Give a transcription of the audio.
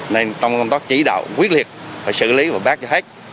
nên công tác chỉ đạo quyết liệt phải xử lý và bác cho hết